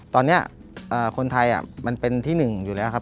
ตอนนี้คนไทยมันเป็นที่หนึ่งอยู่แล้วครับ